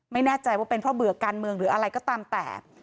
ไม่แน่ใจว่าเป็นเพราะเบื่อการเมืองหรืออะไรก็ตามแต่